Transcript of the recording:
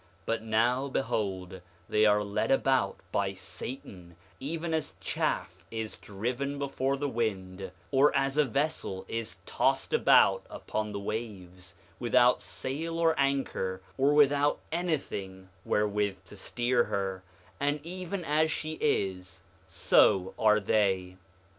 5:18 But now, behold, they are led about by Satan, even as chaff is driven before the wind, or as a vessel is tossed about upon the waves, without sail or anchor, or without anything wherewith to steer her; and even as she is, so are they.